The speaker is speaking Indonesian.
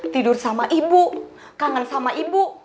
tidur sama ibu kangen sama ibu